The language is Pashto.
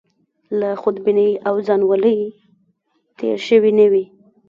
له خودبینۍ او ځانولۍ تېر شوي نه وي.